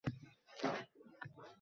Elektron raqamli imzoni yaratgan